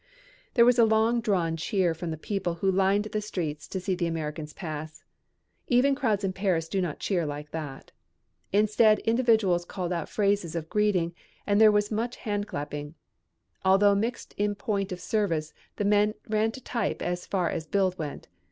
There was no long drawn cheer from the people who lined the streets to see the Americans pass. Even crowds in Paris do not cheer like that. Instead individuals called out phrases of greeting and there was much handclapping. Although mixed in point of service the men ran to type as far as build went.